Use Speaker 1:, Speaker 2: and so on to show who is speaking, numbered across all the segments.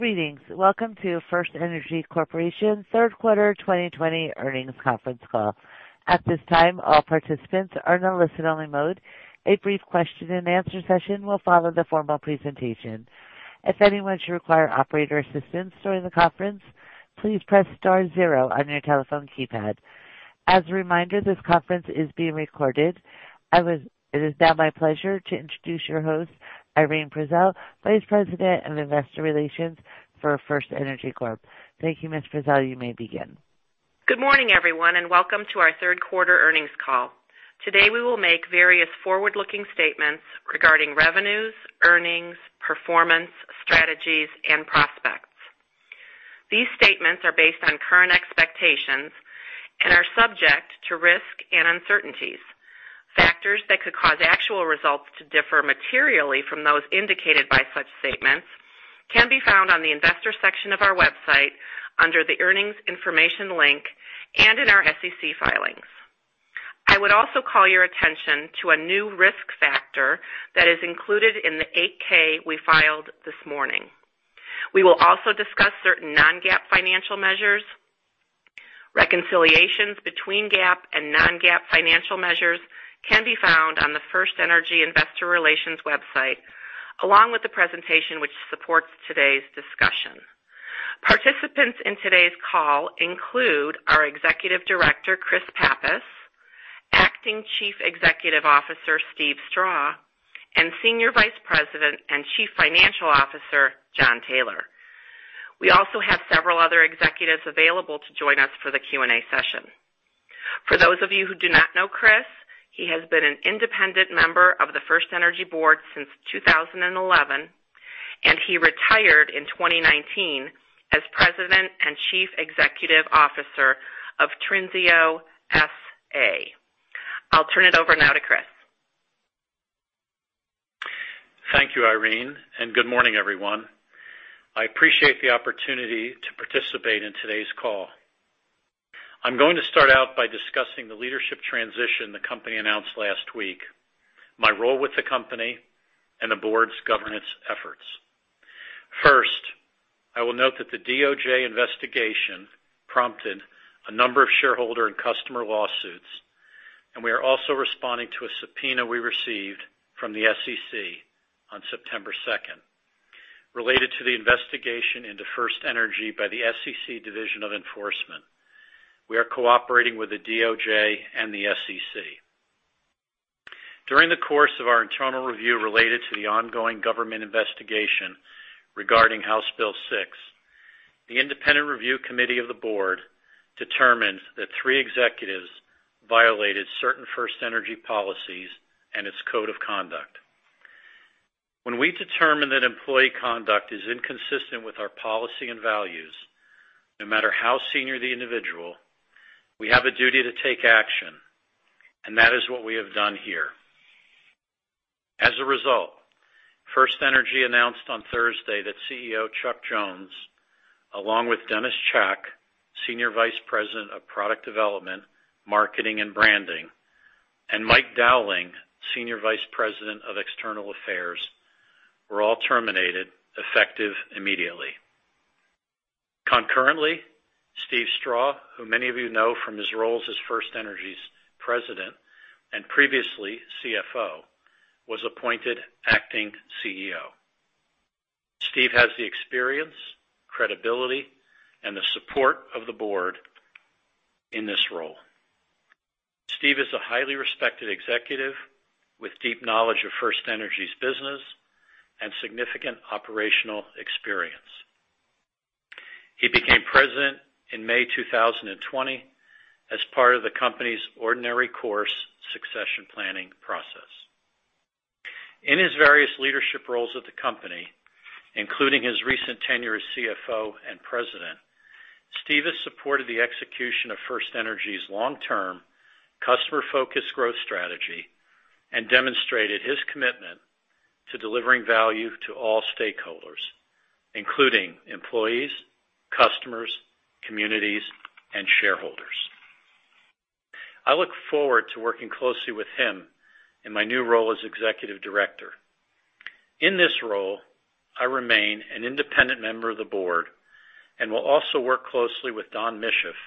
Speaker 1: Greetings. Welcome to FirstEnergy Corporation Third Quarter 2020 Earnings Conference Call. At this time, all participants are in a listen-only mode. A brief question and answer session will follow the formal presentation. If anyone should require operator assistance during the conference, please press star zero on your telephone keypad. As a reminder, this conference is being recorded. It is now my pleasure to introduce your host, Irene Prezelj, Vice President of Investor Relations for FirstEnergy Corp. Thank you, Ms. Prezelj. You may begin.
Speaker 2: Good morning, everyone, and welcome to our third quarter earnings call. Today we will make various forward-looking statements regarding revenues, earnings, performance, strategies, and prospects. These statements are based on current expectations and are subject to risk and uncertainties. Factors that could cause actual results to differ materially from those indicated by such statements can be found on the investor section of our website under the Earnings Information link and in our SEC filings. I would also call your attention to a new risk factor that is included in the 8-K we filed this morning. We will also discuss certain non-GAAP financial measures. Reconciliations between GAAP and non-GAAP financial measures can be found on the FirstEnergy investor relations website, along with the presentation which supports today's discussion. Participants in today's call include our Executive Director, Chris Pappas, Acting Chief Executive Officer, Steve Strah, and Senior Vice President and Chief Financial Officer, Jon Taylor. We also have several other executives available to join us for the Q&A session. For those of you who do not know Chris, he has been an independent member of the FirstEnergy board since 2011, and he retired in 2019 as President and Chief Executive Officer of Trinseo S.A. I'll turn it over now to Chris.
Speaker 3: Thank you, Irene, and good morning, everyone. I appreciate the opportunity to participate in today's call. I'm going to start out by discussing the leadership transition the company announced last week, my role with the company, and the board's governance efforts. First, I will note that the DOJ investigation prompted a number of shareholder and customer lawsuits, and we are also responding to a subpoena we received from the SEC on September 2nd related to the investigation into FirstEnergy by the SEC Division of Enforcement. We are cooperating with the DOJ and the SEC. During the course of our internal review related to the ongoing government investigation regarding House Bill 6, the independent review committee of the board determined that three executives violated certain FirstEnergy policies and its code of conduct. When we determine that employee conduct is inconsistent with our policy and values, no matter how senior the individual, we have a duty to take action, and that is what we have done here. As a result, FirstEnergy announced on Thursday that CEO Chuck Jones, along with Dennis Chack, Senior Vice President of Product Development, Marketing, and Branding, and Mike Dowling, Senior Vice President of External Affairs, were all terminated effective immediately. Concurrently, Steve Strah, who many of you know from his roles as FirstEnergy's President and previously CFO, was appointed Acting CEO. Steve has the experience, credibility, and the support of the board in this role. Steve is a highly respected executive with deep knowledge of FirstEnergy's business and significant operational experience. He became President in May 2020 as part of the company's ordinary course succession planning process. In his various leadership roles at the company, including his recent tenure as CFO and president, Steve has supported the execution of FirstEnergy's long-term, customer-focused growth strategy and demonstrated his commitment to delivering value to all stakeholders, including employees, customers, communities, and shareholders. I look forward to working closely with him in my new role as Executive Director. In this role, I remain an independent member of the board and will also work closely with Don Misheff,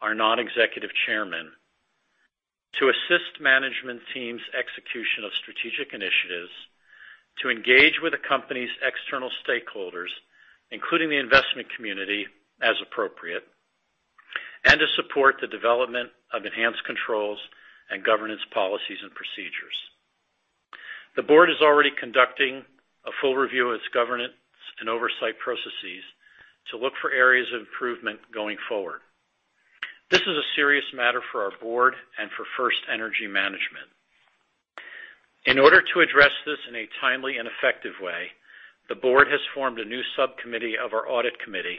Speaker 3: our non-executive chairman, to assist management team's execution of strategic initiatives, to engage with the company's external stakeholders, including the investment community as appropriate, and to support the development of enhanced controls and governance policies and procedures. The board is already conducting a full review of its governance and oversight processes to look for areas of improvement going forward. This is a serious matter for our board and for FirstEnergy management. In order to address this in a timely and effective way, the board has formed a new subcommittee of our audit committee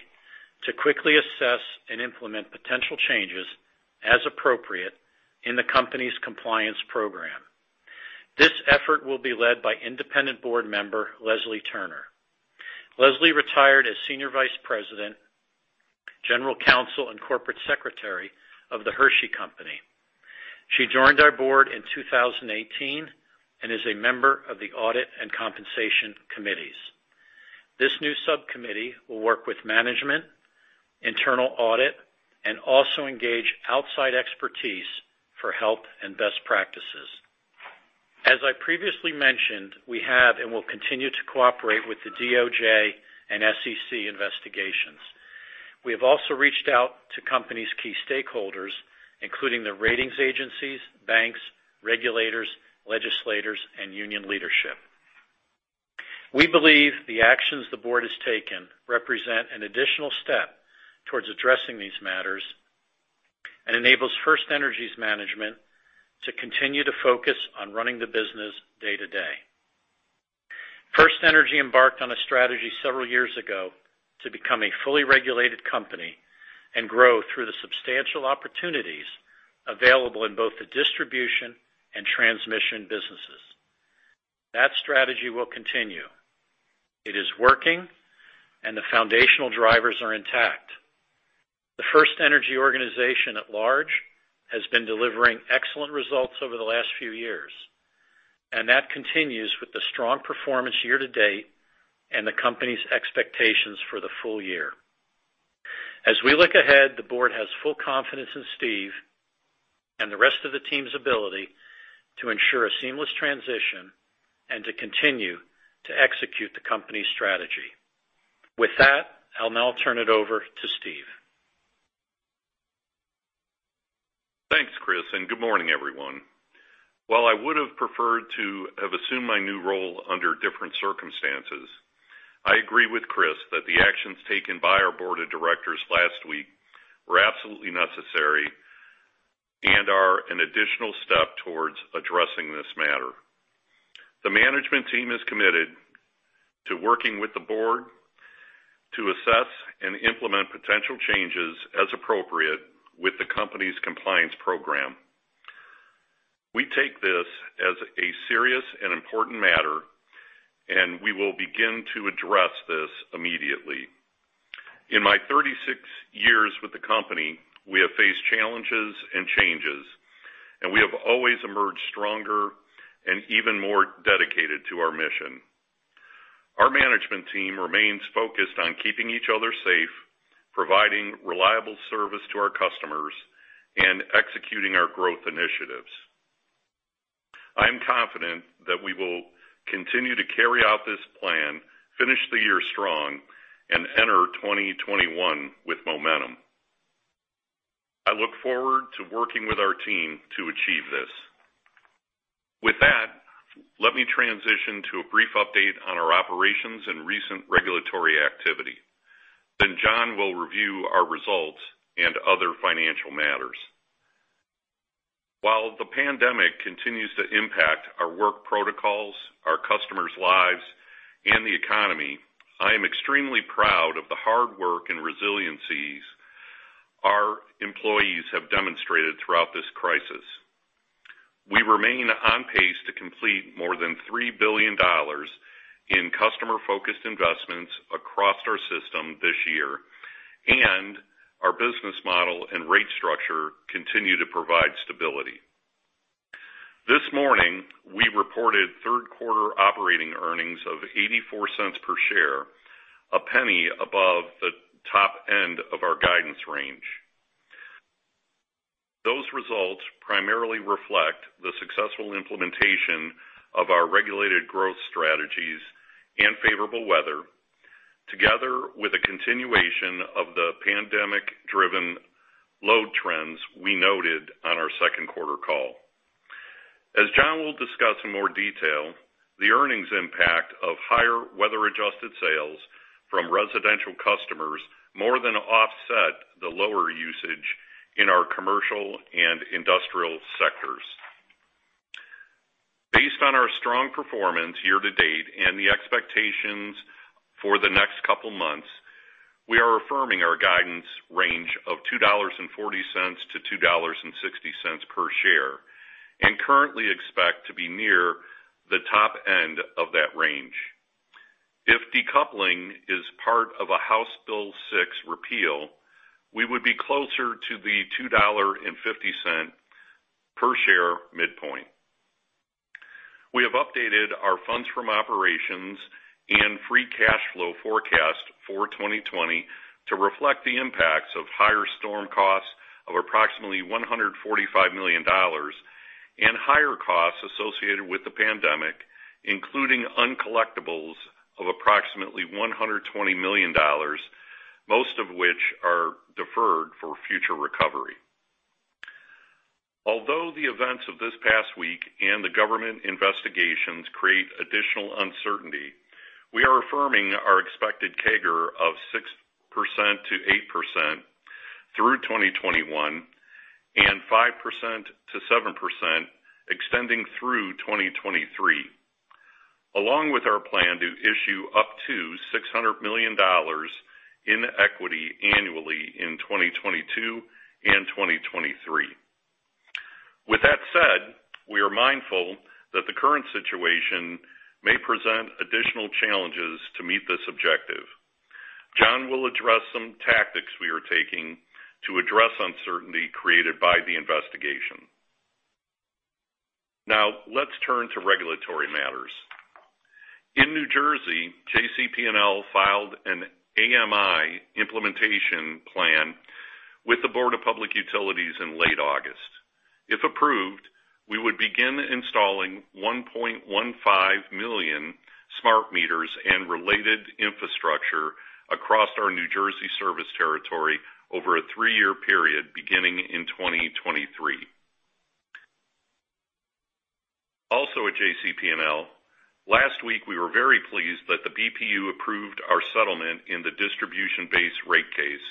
Speaker 3: to quickly assess and implement potential changes as appropriate in the company's compliance program. This effort will be led by independent board member Leslie Turner. Leslie retired as Senior Vice President-General Counsel and Corporate Secretary of The Hershey Company. She joined our board in 2018 and is a member of the audit and compensation committees. This new subcommittee will work with management, internal audit, and also engage outside expertise for help and best practices. As I previously mentioned, we have and will continue to cooperate with the DOJ and SEC investigations. We have also reached out to company's key stakeholders, including the ratings agencies, banks, regulators, legislators, and union leadership. We believe the actions the board has taken represent an additional step towards addressing these matters and enables FirstEnergy's management to continue to focus on running the business day to day. FirstEnergy embarked on a strategy several years ago to become a fully regulated company and grow through the substantial opportunities available in both the distribution and transmission businesses. That strategy will continue. It is working, and the foundational drivers are intact. The FirstEnergy organization at large has been delivering excellent results over the last few years, and that continues with the strong performance year-to-date and the company's expectations for the full year. As we look ahead, the board has full confidence in Steve and the rest of the team's ability to ensure a seamless transition and to continue to execute the company's strategy. With that, I'll now turn it over to Steve.
Speaker 4: Thanks, Chris. Good morning, everyone. While I would have preferred to have assumed my new role under different circumstances, I agree with Chris that the actions taken by our board of directors last week were absolutely necessary and are an additional step towards addressing this matter. The management team is committed to working with the board to assess and implement potential changes as appropriate with the company's compliance program. We take this as a serious and important matter. We will begin to address this immediately. In my 36 years with the company, we have faced challenges and changes. We have always emerged stronger and even more dedicated to our mission. Our management team remains focused on keeping each other safe, providing reliable service to our customers, and executing our growth initiatives. I am confident that we will continue to carry out this plan, finish the year strong, and enter 2021 with momentum. I look forward to working with our team to achieve this. With that, let me transition to a brief update on our operations and recent regulatory activity. Jon will review our results and other financial matters. While the pandemic continues to impact our work protocols, our customers' lives, and the economy, I am extremely proud of the hard work and resiliencies our employees have demonstrated throughout this crisis. We remain on pace to complete more than $3 billion in customer-focused investments across our system this year, and our business model and rate structure continue to provide stability. This morning, we reported third-quarter operating earnings of $0.84 per share, $0.01 above the top end of our guidance range. Those results primarily reflect the successful implementation of our regulated growth strategies and favorable weather, together with a continuation of the pandemic-driven load trends we noted on our second quarter call. As Jon will discuss in more detail, the earnings impact of higher weather-adjusted sales from residential customers more than offset the lower usage in our commercial and industrial sectors. Based on our strong performance year-to-date and the expectations for the next couple of months, we are affirming our guidance range of $2.40-$2.60 per share and currently expect to be near the top end of that range. If decoupling is part of a House Bill 6 repeal, we would be closer to the $2.50 per share midpoint. We have updated our funds from operations and free cash flow forecast for 2020 to reflect the impacts of higher storm costs of approximately $145 million and higher costs associated with the pandemic, including uncollectibles of approximately $120 million, most of which are deferred for future recovery. Although the events of this past week and the government investigations create additional uncertainty, we are affirming our expected CAGR of 6%-8% through 2021 and 5%-7% extending through 2023, along with our plan to issue up to $600 million in equity annually in 2022 and 2023. With that said, we are mindful that the current situation may present additional challenges to meet this objective. Jon will address some tactics we are taking to address uncertainty created by the investigation. Now, let's turn to regulatory matters. In New Jersey, JCP&L filed an AMI implementation plan with the Board of Public Utilities in late August. If approved, we would begin installing 1.15 million smart meters and related infrastructure across our New Jersey service territory over a three-year period beginning in 2023. Also at JCP&L, last week, we were very pleased that the BPU approved our settlement in the distribution base rate case,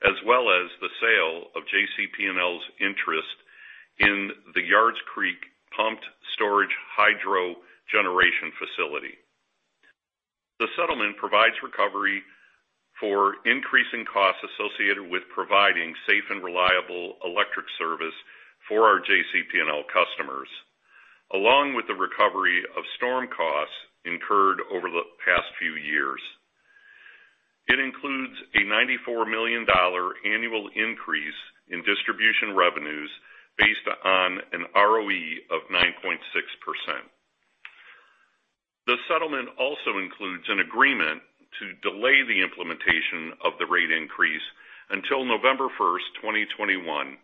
Speaker 4: as well as the sale of JCP&L's interest in the Yards Creek pumped storage hydro generation facility. The settlement provides recovery for increasing costs associated with providing safe and reliable electric service for our JCP&L customers, along with the recovery of storm costs incurred over the past few years. It includes a $94 million annual increase in distribution revenues based on an ROE of 9.6%. The settlement also includes an agreement to delay the implementation of the rate increase until November 1st, 2021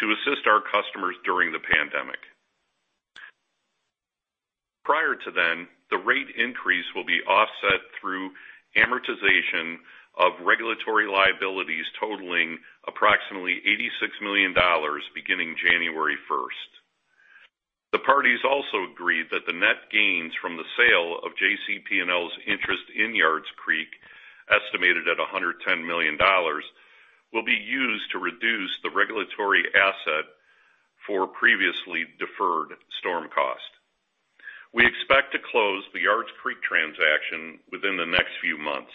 Speaker 4: to assist our customers during the pandemic. Prior to then, the rate increase will be offset through amortization of regulatory liabilities totaling approximately $86 million beginning January 1st. The parties also agreed that the net gains from the sale of JCP&L's interest in Yards Creek, estimated at $110 million, will be used to reduce the regulatory asset for previously deferred storm cost. We expect to close the Yards Creek transaction within the next few months.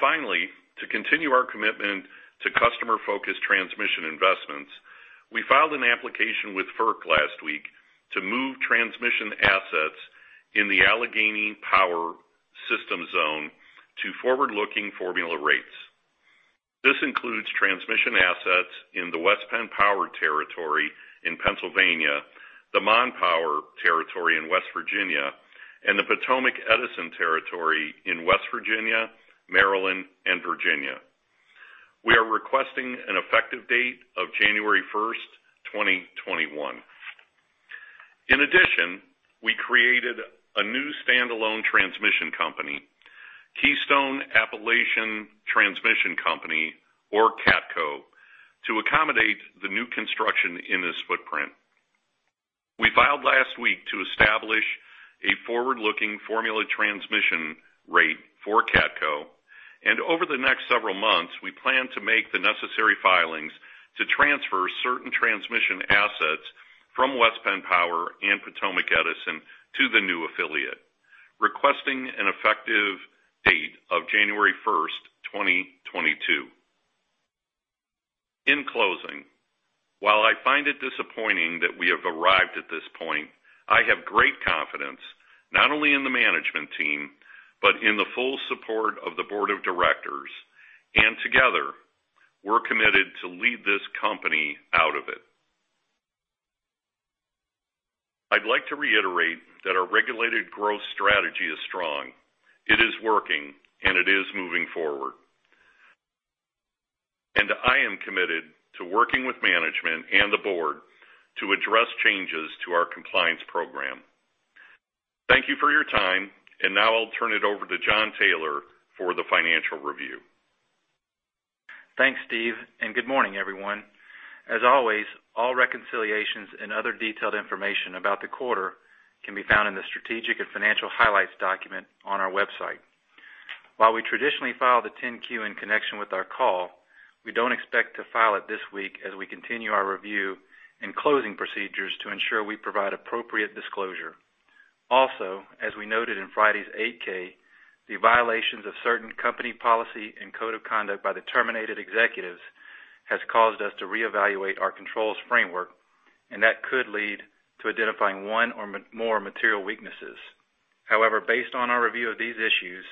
Speaker 4: Finally, to continue our commitment to customer-focused transmission investments, we filed an application with FERC last week to move transmission assets in the Allegheny power system zone to forward-looking formula rates. This includes transmission assets in the West Penn Power territory in Pennsylvania, the Mon Power territory in West Virginia, and the Potomac Edison territory in West Virginia, Maryland, and Virginia. We are requesting an effective date of January 1st, 2021. In addition, we created a new standalone transmission company, Keystone Appalachian Transmission Company, or KATCo, to accommodate the new construction in this footprint. We filed last week to establish a forward-looking formula transmission rate for KATCo, and over the next several months, we plan to make the necessary filings to transfer certain transmission assets from West Penn Power and Potomac Edison to the new affiliate, requesting an effective date of January 1st, 2022. In closing, while I find it disappointing that we have arrived at this point, I have great confidence not only in the management team, but in the full support of the board of directors, and together, we're committed to lead this company out of it. I'd like to reiterate that our regulated growth strategy is strong, it is working, and it is moving forward. I am committed to working with management and the board to address changes to our compliance program. Thank you for your time, and now I'll turn it over to Jon Taylor for the financial review.
Speaker 5: Thanks, Steve, and good morning, everyone. As always, all reconciliations and other detailed information about the quarter can be found in the strategic and financial highlights document on our website. While we traditionally file the 10-Q in connection with our call, we don't expect to file it this week as we continue our review and closing procedures to ensure we provide appropriate disclosure. As we noted in Friday's 8-K, the violations of certain company policy and code of conduct by the terminated executives has caused us to reevaluate our controls framework, and that could lead to identifying one or more material weaknesses. However, based on our review of these issues,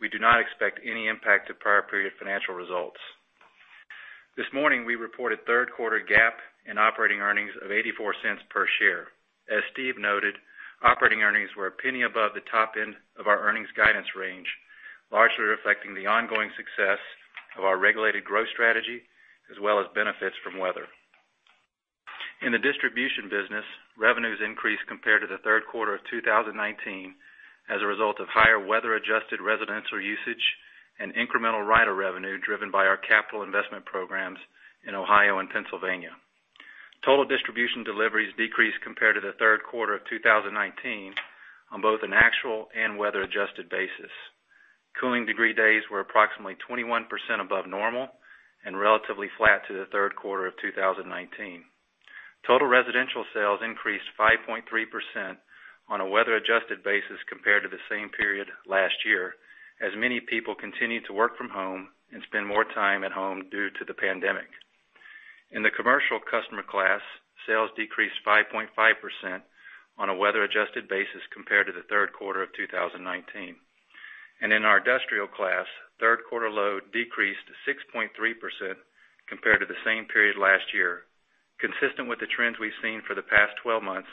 Speaker 5: we do not expect any impact to prior period financial results. This morning, we reported third quarter GAAP and operating earnings of $0.84 per share. As Steve noted, operating earnings were $0.01 above the top end of our earnings guidance range, largely reflecting the ongoing success of our regulated growth strategy, as well as benefits from weather. In the distribution business, revenues increased compared to the third quarter of 2019 as a result of higher weather-adjusted residential usage and incremental rider revenue driven by our capital investment programs in Ohio and Pennsylvania. Total distribution deliveries decreased compared to the third quarter of 2019 on both an actual and weather-adjusted basis. Cooling degree days were approximately 21% above normal and relatively flat to the third quarter of 2019. Total residential sales increased 5.3% on a weather-adjusted basis compared to the same period last year, as many people continued to work from home and spend more time at home due to the pandemic. In the commercial customer class, sales decreased 5.5% on a weather-adjusted basis compared to the third quarter of 2019. In our industrial class, third quarter load decreased 6.3% compared to the same period last year. Consistent with the trends we've seen for the past 12 months,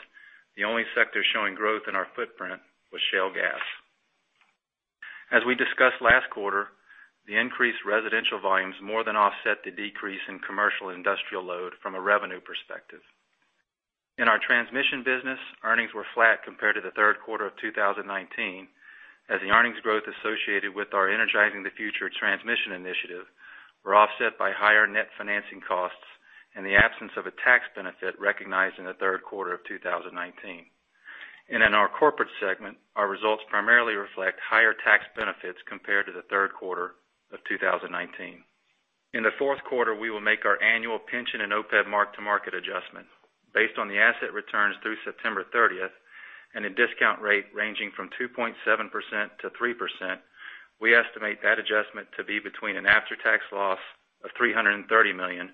Speaker 5: the only sector showing growth in our footprint was shale gas. As we discussed last quarter, the increased residential volumes more than offset the decrease in commercial industrial load from a revenue perspective. In our transmission business, earnings were flat compared to the third quarter of 2019, as the earnings growth associated with our Energizing the Future transmission initiative were offset by higher net financing costs and the absence of a tax benefit recognized in the third quarter of 2019. In our corporate segment, our results primarily reflect higher tax benefits compared to the third quarter of 2019. In the fourth quarter, we will make our annual pension and OPEB mark-to-market adjustment. Based on the asset returns through September 30th and a discount rate ranging from 2.7%-3%, we estimate that adjustment to be between an after-tax loss of $330 million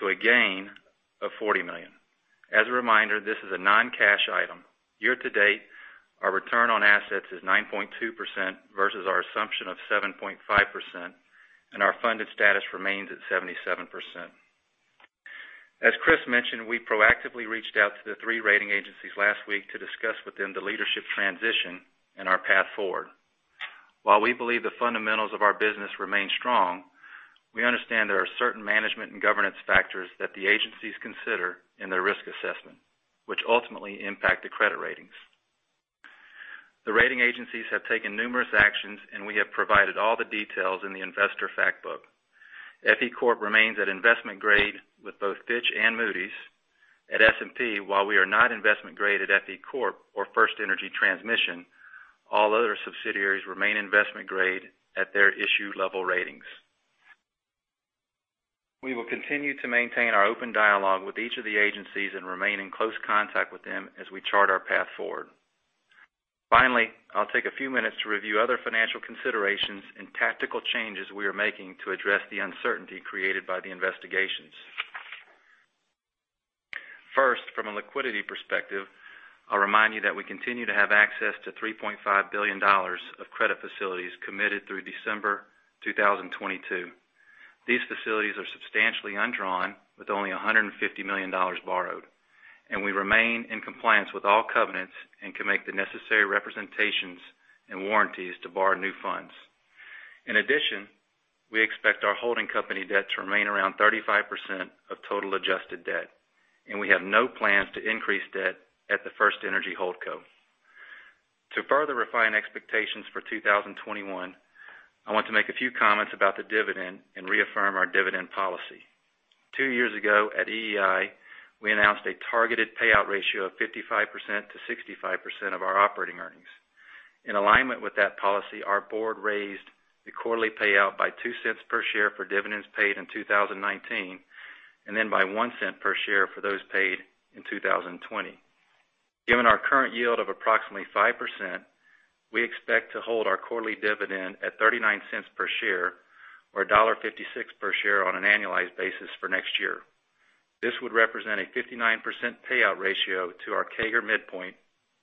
Speaker 5: to a gain of $40 million. As a reminder, this is a non-cash item. Year-to-date, our return on assets is 9.2% versus our assumption of 7.5%, and our funded status remains at 77%. As Chris mentioned, we proactively reached out to the three rating agencies last week to discuss with them the leadership transition and our path forward. While we believe the fundamentals of our business remain strong, we understand there are certain management and governance factors that the agencies consider in their risk assessment, which ultimately impact the credit ratings. The rating agencies have taken numerous actions, and we have provided all the details in the investor fact book. FE Corp remains at investment grade with both Fitch and Moody's. At S&P, while we are not investment grade at FE Corp or FirstEnergy Transmission, all other subsidiaries remain investment-grade at their issue level ratings. We will continue to maintain our open dialogue with each of the agencies and remain in close contact with them as we chart our path forward. I'll take a few minutes to review other financial considerations and tactical changes we are making to address the uncertainty created by the investigations. First, from a liquidity perspective, I'll remind you that we continue to have access to $3.5 billion of credit facilities committed through December 2022. These facilities are substantially undrawn with only $150 million borrowed. We remain in compliance with all covenants and can make the necessary representations and warranties to borrow new funds. In addition, we expect our holding company debt to remain around 35% of total adjusted debt. We have no plans to increase debt at the FirstEnergy Holdco. To further refine expectations for 2021, I want to make a few comments about the dividend and reaffirm our dividend policy. Two years ago at EEI, we announced a targeted payout ratio of 55%-65% of our operating earnings. In alignment with that policy, our board raised the quarterly payout by $0.02 per share for dividends paid in 2019. Then by $0.01 per share for those paid in 2020. Given our current yield of approximately 5%, we expect to hold our quarterly dividend at $0.39 per share or $1.56 per share on an annualized basis for next year. This would represent a 59% payout ratio to our CAGR midpoint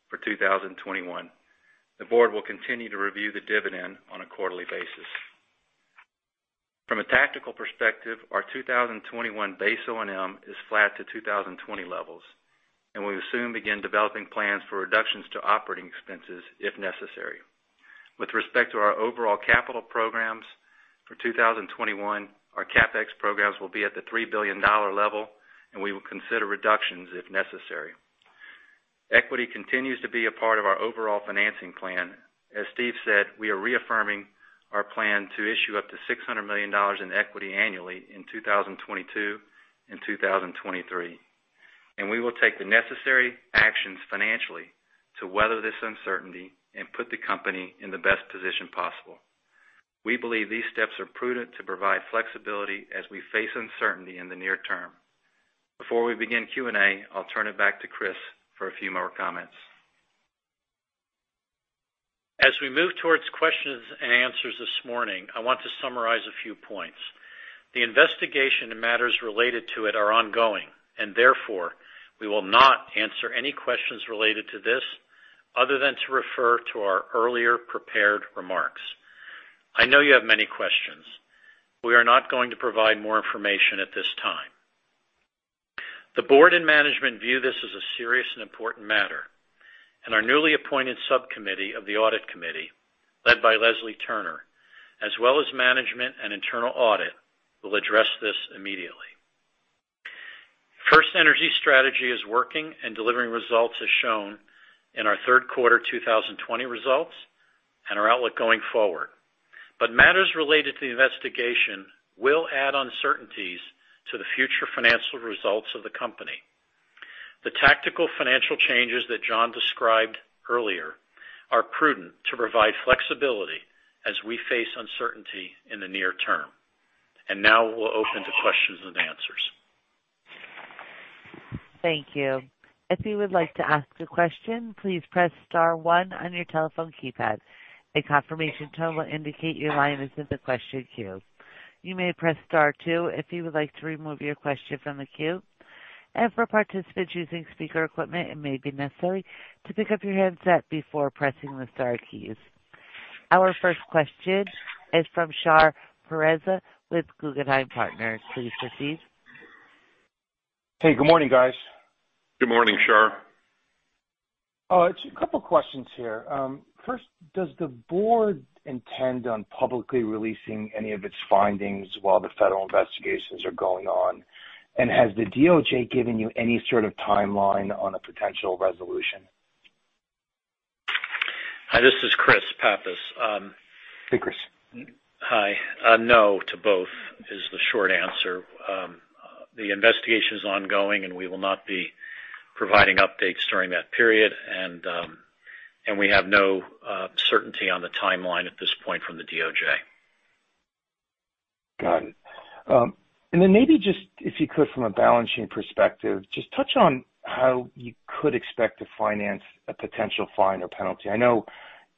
Speaker 5: for 2021. The board will continue to review the dividend on a quarterly basis. From a tactical perspective, our 2021 base O&M is flat to 2020 levels, and we will soon begin developing plans for reductions to operating expenses if necessary. With respect to our overall capital programs for 2021, our CapEx programs will be at the $3 billion level, and we will consider reductions if necessary. Equity continues to be a part of our overall financing plan. As Steve said, we are reaffirming our plan to issue up to $600 million in equity annually in 2022 and 2023. We will take the necessary actions financially to weather this uncertainty and put the company in the best position possible. We believe these steps are prudent to provide flexibility as we face uncertainty in the near term. Before we begin Q&A, I'll turn it back to Chris for a few more comments.
Speaker 3: As we move towards questions and answers this morning, I want to summarize a few points. The investigation and matters related to it are ongoing, and therefore, we will not answer any questions related to this other than to refer to our earlier prepared remarks. I know you have many questions. We are not going to provide more information at this time. The board and management view this as a serious and important matter, and our newly appointed subcommittee of the audit committee, led by Leslie Turner, as well as management and internal audit, will address this immediately. FirstEnergy's strategy is working and delivering results as shown in our third quarter 2020 results and our outlook going forward. Matters related to the investigation will add uncertainties to the future financial results of the company. The tactical financial changes that Jon described earlier are prudent to provide flexibility as we face uncertainty in the near term. Now we'll open to questions and answers.
Speaker 1: Thank you. If you would like to ask a question, please press star one on your telephone keypad. A confirmation tone will indicate your line is in the question queue. You may press star two if you would like to remove your question from the queue. For participants using speaker equipment, it may be necessary to pick up your headset before pressing the star keys. Our first question is from Shar Pourreza with Guggenheim Partners. Please proceed.
Speaker 6: Hey, good morning, guys.
Speaker 4: Good morning, Shar.
Speaker 6: It's a couple of questions here. First, does the board intend on publicly releasing any of its findings while the federal investigations are going on? Has the DOJ given you any sort of timeline on a potential resolution?
Speaker 3: Hi, this is Chris Pappas.
Speaker 6: Hey, Chris.
Speaker 3: Hi. No to both is the short answer. The investigation is ongoing, and we will not be providing updates during that period. We have no certainty on the timeline at this point from the DOJ.
Speaker 6: Got it. Maybe just if you could, from a balance sheet perspective, just touch on how you could expect to finance a potential fine or penalty. I know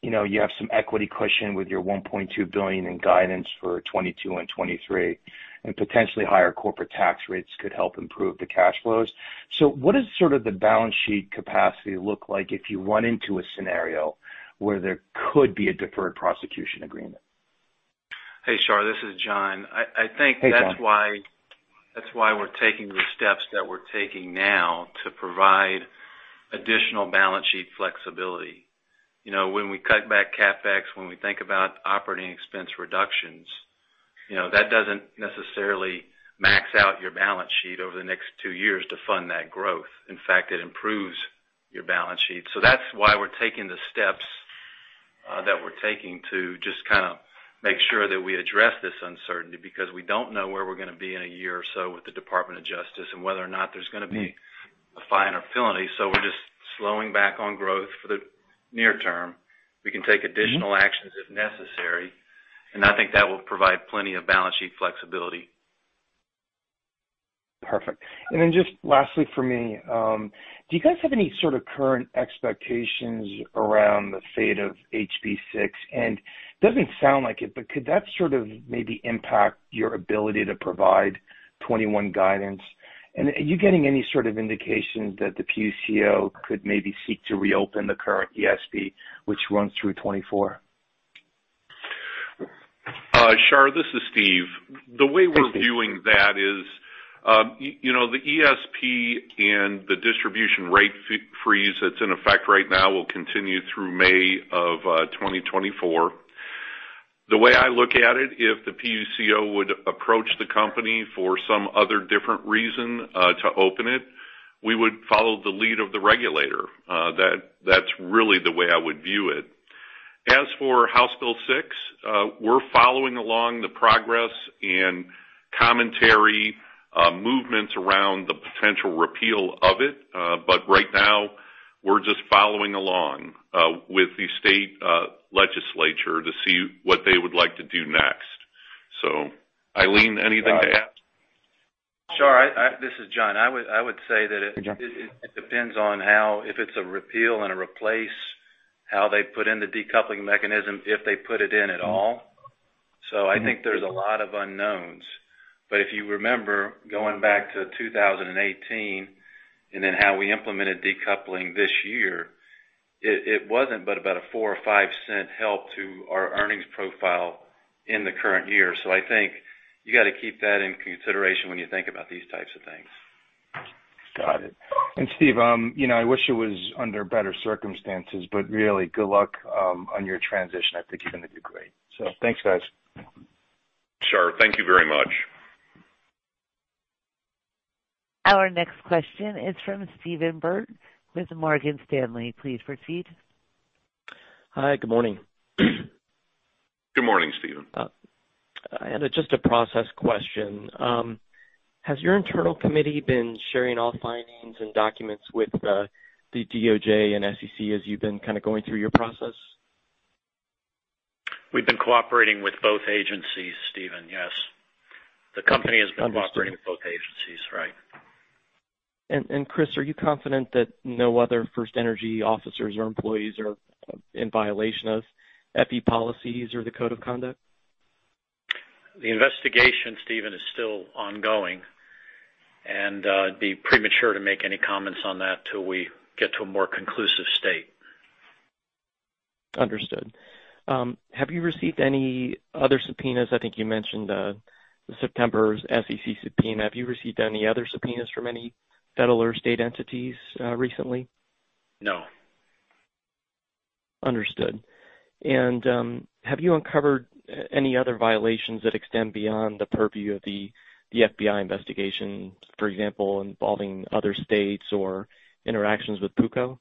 Speaker 6: you have some equity cushion with your $1.2 billion in guidance for 2022 and 2023, and potentially higher corporate tax rates could help improve the cash flows. What does sort of the balance sheet capacity look like if you run into a scenario where there could be a deferred prosecution agreement?
Speaker 5: Hey, Shar, this is Jon.
Speaker 6: Hey, Jon.
Speaker 5: I think that's why we're taking the steps that we're taking now to provide additional balance sheet flexibility. When we cut back CapEx, when we think about operating expense reductions, that doesn't necessarily max out your balance sheet over the next two years to fund that growth. In fact, it improves your balance sheet. That's why we're taking the steps that we're taking to just kind of make sure that we address this uncertainty, because we don't know where we're going to be in a year or so with the Department of Justice and whether or not there's going to be a fine or penalty. We're just slowing back on growth for the near term. We can take additional actions if necessary. I think that will provide plenty of balance sheet flexibility.
Speaker 6: Perfect. Just lastly for me, do you guys have any sort of current expectations around the fate of HB6? It doesn't sound like it, but could that sort of maybe impact your ability to provide 2021 guidance? Are you getting any sort of indication that the PUCO could maybe seek to reopen the current ESP, which runs through 2024?
Speaker 4: Shar, this is Steve.
Speaker 6: Hi, Steve.
Speaker 4: The way we're viewing that is, the ESP and the distribution rate freeze that's in effect right now will continue through May of 2024. The way I look at it, if the PUCO would approach the company for some other different reason to open it, we would follow the lead of the regulator. That's really the way I would view it. As for House Bill 6, we're following along the progress and commentary movements around the potential repeal of it. Right now, we're just following along with the state legislature to see what they would like to do next. Eileen, anything to add?
Speaker 5: Shar, this is Jon. I would say that.
Speaker 6: Hey, Jon.
Speaker 5: ....depends on how, if it's a repeal and a replace, how they put in the decoupling mechanism, if they put it in at all. I think there's a lot of unknowns. If you remember going back to 2018, and then how we implemented decoupling this year, it wasn't but about a $0.04 or $0.05 help to our earnings profile in the current year. I think you got to keep that in consideration when you think about these types of things.
Speaker 6: Got it. Steve, I wish it was under better circumstances, but really good luck on your transition. I think you're going to do great. Thanks, guys.
Speaker 4: Shar, thank you very much.
Speaker 1: Our next question is from Stephen Byrd with Morgan Stanley. Please proceed.
Speaker 7: Hi, good morning.
Speaker 4: Good morning, Stephen.
Speaker 7: I had just a process question. Has your internal committee been sharing all findings and documents with the DOJ and SEC as you've been kind of going through your process?
Speaker 3: We've been cooperating with both agencies, Stephen, yes. The company has been cooperating with both agencies, right.
Speaker 7: Chris, are you confident that no other FirstEnergy officers or employees are in violation of FE policies or the code of conduct?
Speaker 3: The investigation, Stephen, is still ongoing, and it'd be premature to make any comments on that till we get to a more conclusive state.
Speaker 7: Understood. Have you received any other subpoenas? I think you mentioned the September SEC subpoena. Have you received any other subpoenas from any federal or state entities recently?
Speaker 3: No.
Speaker 7: Understood. Have you uncovered any other violations that extend beyond the purview of the FBI investigation, for example, involving other states or interactions with PUCO?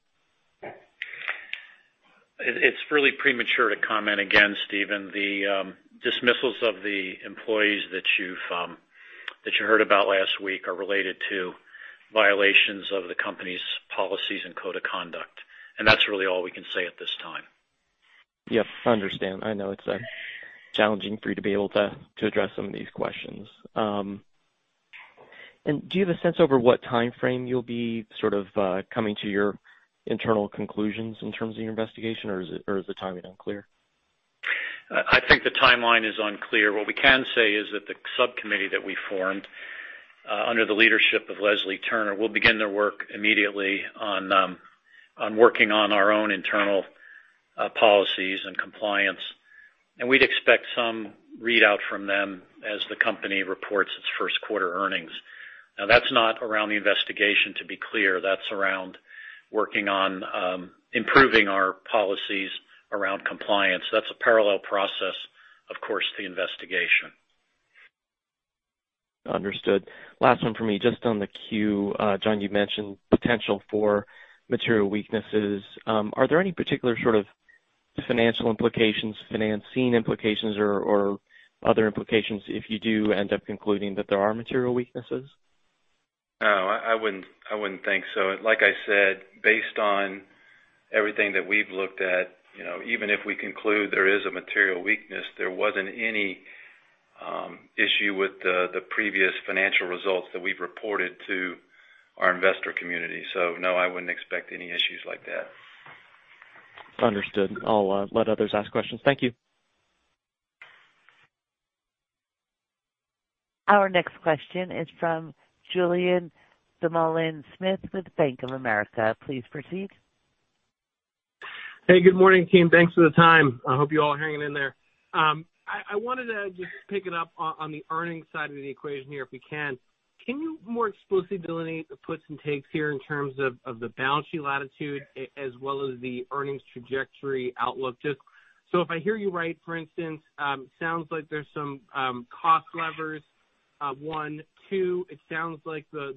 Speaker 3: It's really premature to comment again, Stephen. The dismissals of the employees that you heard about last week are related to violations of the company's policies and code of conduct. That's really all we can say at this time.
Speaker 7: Yes, I understand. I know it's challenging for you to be able to address some of these questions. Do you have a sense over what timeframe you'll be coming to your internal conclusions in terms of your investigation, or is the timing unclear?
Speaker 3: I think the timeline is unclear. What we can say is that the subcommittee that we formed, under the leadership of Leslie Turner, will begin their work immediately on working on our own internal policies and compliance. We'd expect some readout from them as the company reports its first quarter earnings. Now, that's not around the investigation to be clear, that's around working on improving our policies around compliance. That's a parallel process, of course, to the investigation.
Speaker 7: Understood. Last one for me, just on the Q, Jon, you mentioned potential for material weaknesses. Are there any particular sort of financial implications, financing implications or other implications if you do end up concluding that there are material weaknesses?
Speaker 5: No, I wouldn't think so. Like I said, based on everything that we've looked at, even if we conclude there is a material weakness, there wasn't any issue with the previous financial results that we've reported to our investor community. No, I wouldn't expect any issues like that.
Speaker 7: Understood. I'll let others ask questions. Thank you.
Speaker 1: Our next question is from Julien Dumoulin-Smith with Bank of America. Please proceed.
Speaker 8: Hey, good morning, team. Thanks for the time. I hope you're all hanging in there. I wanted to just pick it up on the earnings side of the equation here, if we can. Can you more explicitly delineate the puts and takes here in terms of the balance sheet latitude as well as the earnings trajectory outlook? If I hear you right, for instance, sounds like there's some cost levers, one. Two, it sounds like the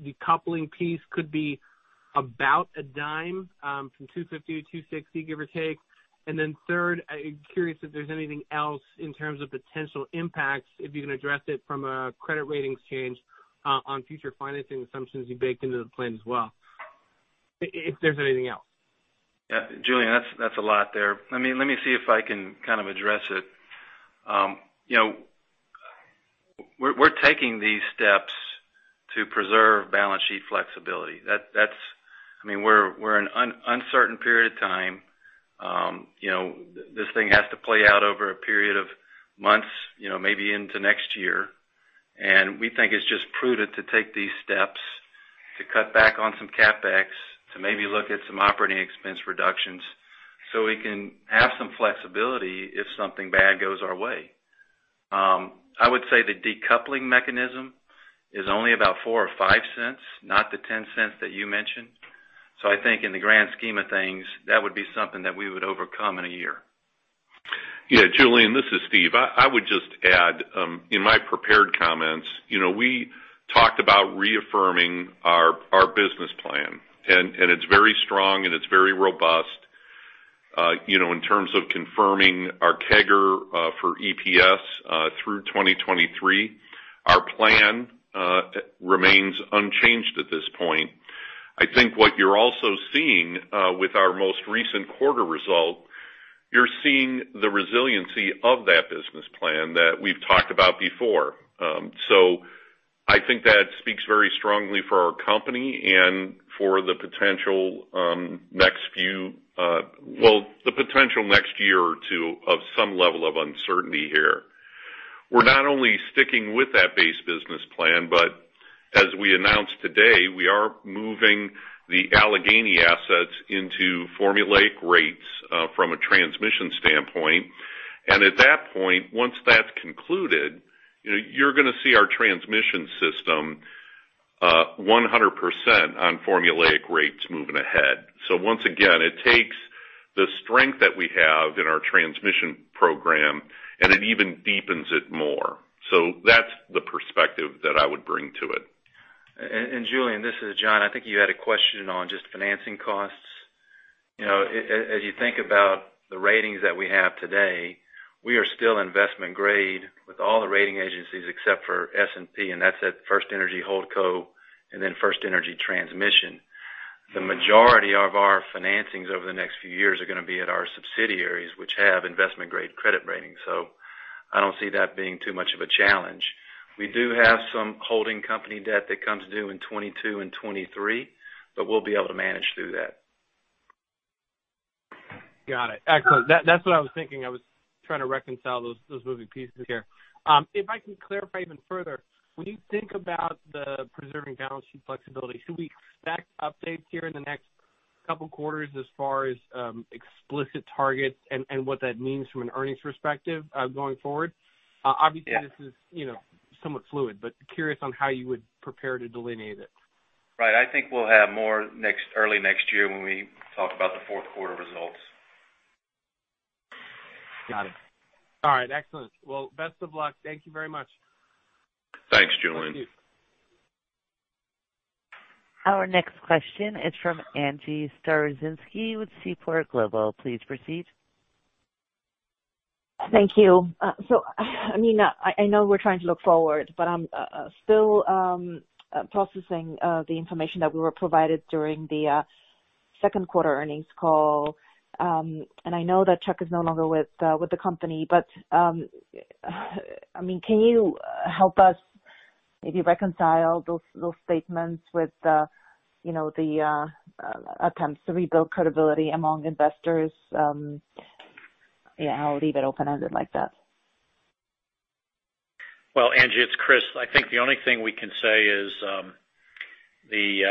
Speaker 8: decoupling piece could be about $0.10 from $2.50-$2.60, give or take. Third, I'm curious if there's anything else in terms of potential impacts, if you can address it from a credit ratings change on future financing assumptions you baked into the plan as well. If there's anything else.
Speaker 3: Julien, that's a lot there. Let me see if I can kind of address it. We're taking these steps to preserve balance sheet flexibility. We're in an uncertain period of time. This thing has to play out over a period of months, maybe into next year. We think it's just prudent to take these steps to cut back on some CapEx, to maybe look at some operating expense reductions so we can have some flexibility if something bad goes our way. I would say the decoupling mechanism is only about $0.04 or $0.05, not the $0.10 that you mentioned. I think in the grand scheme of things, that would be something that we would overcome in a year.
Speaker 4: Julien, this is Steve. I would just add, in my prepared comments, we talked about reaffirming our business plan, and it's very strong and it's very robust. In terms of confirming our CAGR for EPS through 2023, our plan remains unchanged at this point. I think what you're also seeing with our most recent quarter result, you're seeing the resiliency of that business plan that we've talked about before. I think that speaks very strongly for our company and for the potential next year or two of some level of uncertainty here. We're not only sticking with that base business plan, but as we announced today, we are moving the Allegheny assets into formulaic rates from a transmission standpoint. At that point, once that's concluded, you're going to see our transmission system 100% on formulaic rates moving ahead. Once again, it takes the strength that we have in our transmission program, and it even deepens it more. That's the perspective that I would bring to it.
Speaker 5: Julien, this is Jon. I think you had a question on just financing costs. As you think about the ratings that we have today, we are still investment grade with all the rating agencies except for S&P, and that's at FirstEnergy Holdco and then FirstEnergy Transmission. The majority of our financings over the next few years are going to be at our subsidiaries, which have investment-grade credit ratings. I don't see that being too much of a challenge. We do have some holding company debt that comes due in 2022 and 2023, but we'll be able to manage through that.
Speaker 8: Got it. Excellent. That's what I was thinking. I was trying to reconcile those moving pieces here. If I can clarify even further, when you think about the preserving balance sheet flexibility, should we expect updates here in the next couple quarters as far as explicit targets and what that means from an earnings perspective going forward? Obviously, this is somewhat fluid, but curious on how you would prepare to delineate it.
Speaker 5: Right. I think we'll have more early next year when we talk about the fourth quarter results.
Speaker 8: Got it. All right. Excellent. Well, best of luck. Thank you very much.
Speaker 4: Thanks, Julien.
Speaker 8: Thank you.
Speaker 1: Our next question is from Angie Storozynski with Seaport Global. Please proceed.
Speaker 9: Thank you. I know we're trying to look forward, but I'm still processing the information that we were provided during the second quarter earnings call. I know that Chuck is no longer with the company. Can you help us maybe reconcile those statements with the attempts to rebuild credibility among investors? Yeah, I'll leave it open-ended like that.
Speaker 3: Well, Angie, it's Chris. I think the only thing we can say is the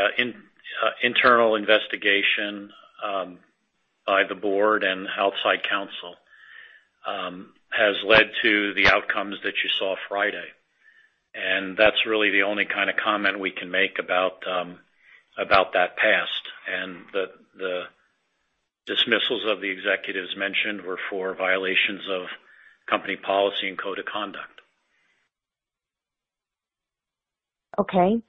Speaker 3: internal investigation by the board and outside counsel has led to the outcomes that you saw Friday. That's really the only kind of comment we can make about that past. The dismissals of the executives mentioned were for violations of company policy and code of conduct.
Speaker 9: Okay.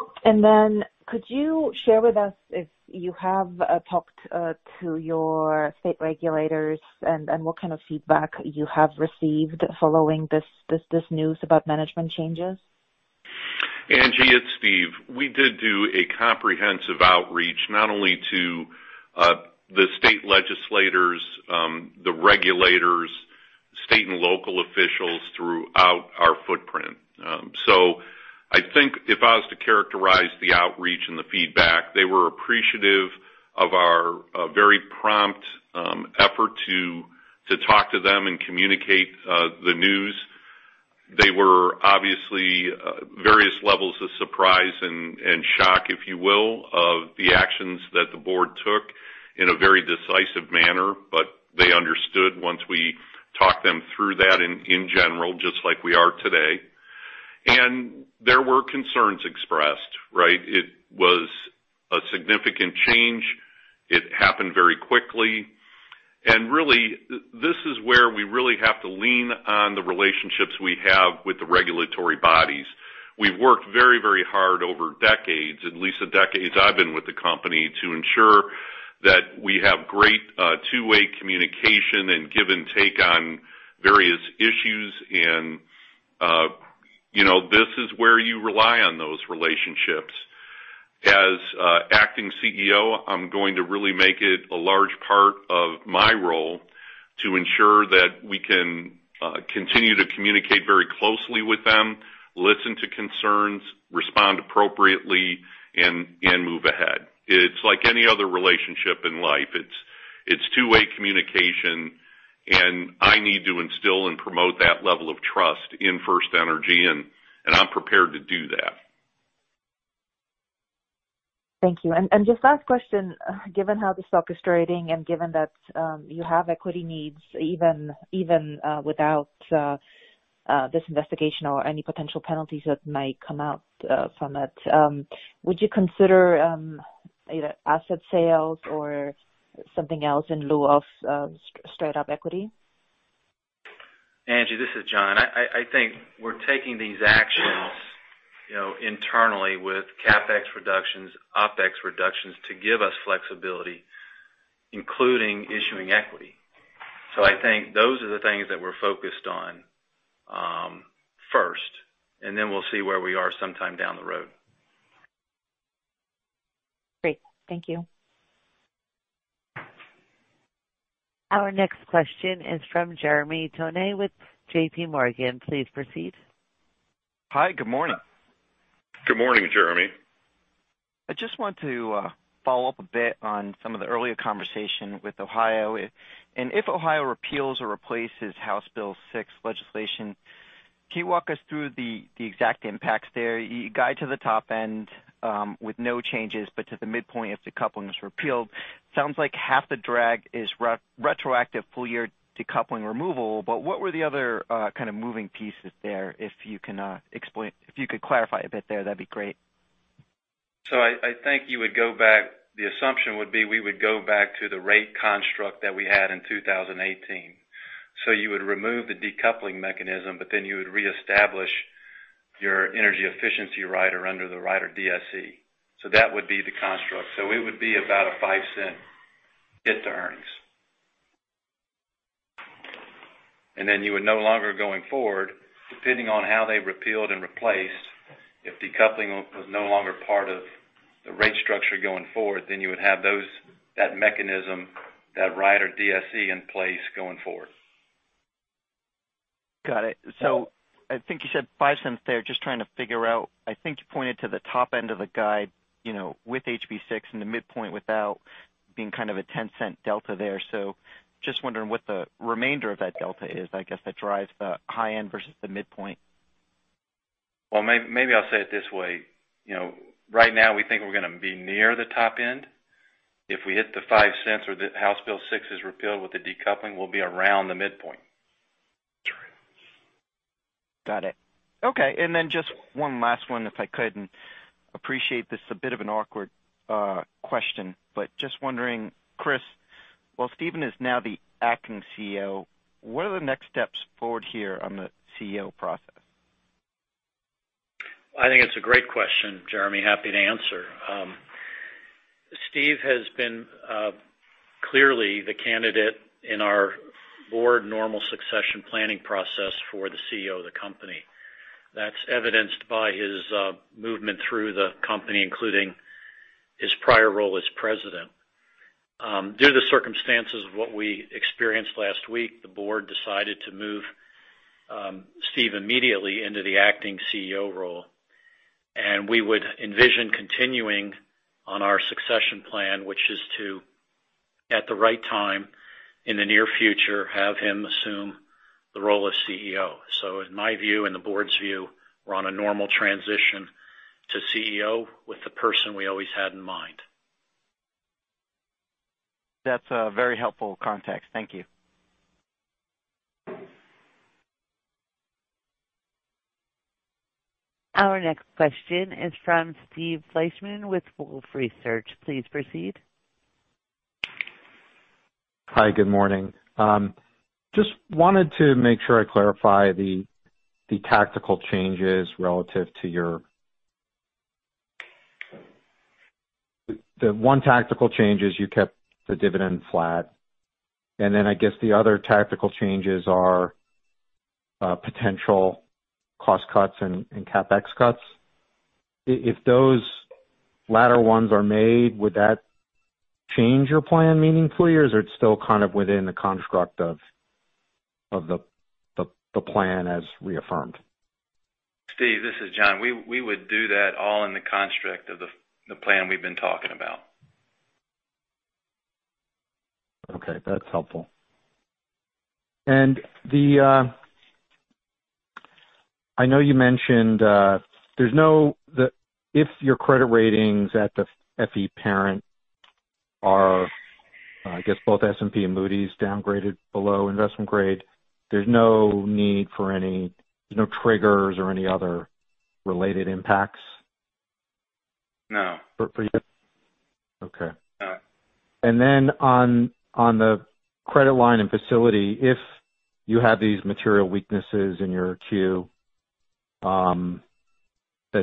Speaker 9: Could you share with us if you have talked to your state regulators and what kind of feedback you have received following this news about management changes?
Speaker 4: Angie, it's Steve. We did do a comprehensive outreach, not only to the state legislators, the regulators, state and local officials throughout our footprint. I think if I was to characterize the outreach and the feedback, they were appreciative of our very prompt effort to talk to them and communicate the news. They were obviously various levels of surprise and shock, if you will, of the actions that the board took in a very decisive manner. They understood once we talked them through that in general, just like we are today. There were concerns expressed, right? It was a significant change. It happened very quickly. Really, this is where we really have to lean on the relationships we have with the regulatory bodies. We've worked very hard over decades, at least the decades I've been with the company, to ensure that we have great two-way communication and give and take on various issues. This is where you rely on those relationships. As acting CEO, I'm going to really make it a large part of my role to ensure that we can continue to communicate very closely with them, listen to concerns, respond appropriately, and move ahead. It's like any other relationship in life. It's two-way communication, and I need to instill and promote that level of trust in FirstEnergy, and I'm prepared to do that.
Speaker 9: Thank you. Just last question, given how the stock is trading and given that you have equity needs even without this investigation or any potential penalties that might come out from it, would you consider either asset sales or something else in lieu of straight up equity?
Speaker 5: Angie, this is Jon. I think we're taking these actions internally with CapEx reductions, OpEx reductions to give us flexibility, including issuing equity. I think those are the things that we're focused on first, and then we'll see where we are sometime down the road.
Speaker 9: Great. Thank you.
Speaker 1: Our next question is from Jeremy Tonet with JPMorgan. Please proceed.
Speaker 10: Hi. Good morning.
Speaker 4: Good morning, Jeremy.
Speaker 10: I just want to follow up a bit on some of the earlier conversation with Ohio. If Ohio repeals or replaces House Bill 6 legislation, can you walk us through the exact impacts there? You guide to the top end with no changes, but to the midpoint if decoupling is repealed. Sounds like half the drag is retroactive full-year decoupling removal, what were the other kind of moving pieces there, if you could clarify a bit there, that'd be great.
Speaker 5: I think the assumption would be we would go back to the rate construct that we had in 2018. You would remove the decoupling mechanism, but then you would reestablish your energy efficiency rider under the Rider DSE. That would be the construct. It would be about a $0.05 hit to earnings. Then you would no longer going forward, depending on how they repealed and replaced, if decoupling was no longer part of the rate structure going forward, then you would have that mechanism, that Rider DSE in place going forward.
Speaker 10: Got it. I think you said $0.05 there. Just trying to figure out, I think you pointed to the top end of the guide with HB6 and the midpoint without being kind of a $0.10 delta there. Just wondering what the remainder of that delta is, I guess, that drives the high end versus the midpoint.
Speaker 5: Well, maybe I'll say it this way. Right now, we think we're going to be near the top end. If we hit the $0.05 or the House Bill 6 is repealed with the decoupling, we'll be around the midpoint.
Speaker 10: Got it. Okay. Just one last one, if I could. Appreciate this a bit of an awkward question, but just wondering, Chris, while Steve is now the acting CEO, what are the next steps forward here on the CEO process?
Speaker 3: I think it's a great question, Jeremy. Happy to answer. Steve has been clearly the candidate in our board normal succession planning process for the CEO of the company. That's evidenced by his movement through the company, including his prior role as President. Due to the circumstances of what we experienced last week, the board decided to move Steve immediately into the acting CEO role. We would envision continuing on our succession plan, which is to, at the right time in the near future, have him assume the role of CEO. In my view and the board's view, we're on a normal transition to CEO with the person we always had in mind.
Speaker 10: That's a very helpful context. Thank you.
Speaker 1: Our next question is from Steve Fleishman with Wolfe Research. Please proceed.
Speaker 11: Hi. Good morning. Just wanted to make sure I clarify the tactical changes. The one tactical change is you kept the dividend flat, and then I guess the other tactical changes are potential cost cuts and CapEx cuts. If those latter ones are made, would that change your plan meaningfully, or is it still kind of within the construct of the plan as reaffirmed?
Speaker 5: Steve, this is Jon. We would do that all in the construct of the plan we've been talking about.
Speaker 11: Okay. That's helpful. I know you mentioned, if your credit ratings at the FE parent are, I guess, both S&P and Moody's downgraded below investment grade, there's no triggers or any other related impacts?
Speaker 5: No.
Speaker 11: For you? Okay.
Speaker 5: No.
Speaker 11: On the credit line and facility, if you have these material weaknesses in your 10-Q, that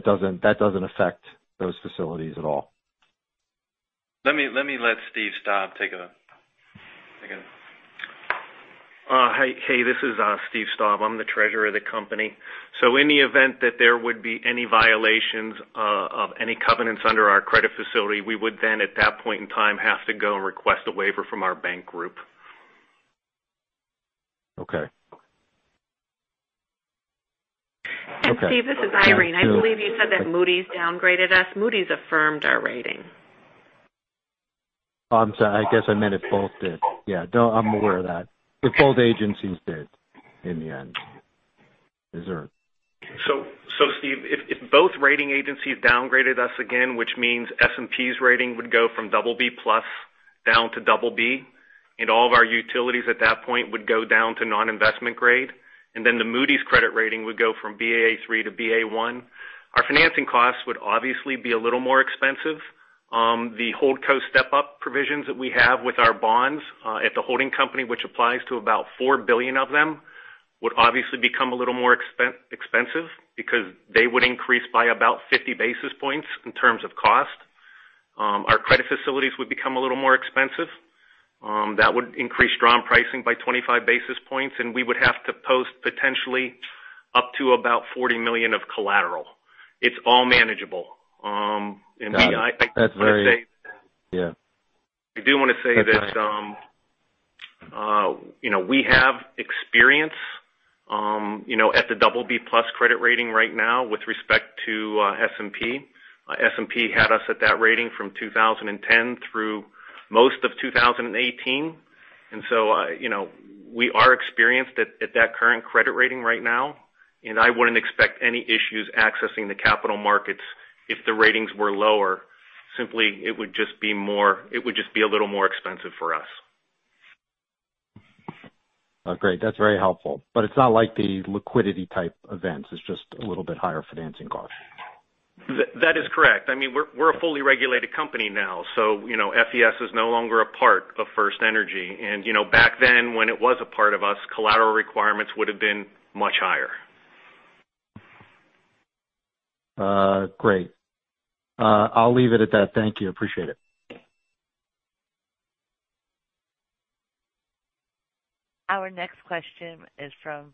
Speaker 11: doesn't affect those facilities at all?
Speaker 5: Let me let Steve Staub take a second.
Speaker 12: Hey, this is Steve Staub. I'm the treasurer of the company. Any event that there would be any violations of any covenants under our credit facility, we would then, at that point in time, have to go and request a waiver from our bank group.
Speaker 11: Okay.
Speaker 13: Steve, this is Eileen. I believe you said that Moody's downgraded us. Moody's affirmed our rating.
Speaker 11: I'm sorry. I guess I meant it both did. Yeah, I'm aware of that. Both agencies did in the end.
Speaker 5: Steve, if both rating agencies downgraded us again, which means S&P's rating would go from BB+ down to BB, and all of our utilities at that point would go down to non-investment grade, and then the Moody's credit rating would go from Baa3 to Ba1. Our financing costs would obviously be a little more expensive. The holdco step-up provisions that we have with our bonds at the holding company, which applies to about $4 billion of them, would obviously become a little more expensive because they would increase by about 50 basis points in terms of cost. Our credit facilities would become a little more expensive. That would increase drawn pricing by 25 basis points, and we would have to post potentially up to about $40 million of collateral. It's all manageable.
Speaker 11: Got it. That's very Yeah.
Speaker 12: I do want to say that we have experience at the BB+ credit rating right now with respect to S&P. S&P had us at that rating from 2010 through most of 2018. We are experienced at that current credit rating right now, and I wouldn't expect any issues accessing the capital markets if the ratings were lower. Simply, it would just be a little more expensive for us.
Speaker 11: Oh, great. That's very helpful. It's not like the liquidity type events. It's just a little bit higher financing cost.
Speaker 12: That is correct. I mean, we're a fully regulated company now, so FES is no longer a part of FirstEnergy. Back then when it was a part of us, collateral requirements would have been much higher.
Speaker 11: Great. I'll leave it at that. Thank you. Appreciate it.
Speaker 1: Our next question is from